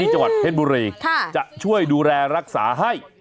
จังหวัดเพชรบุรีจะช่วยดูแลรักษาให้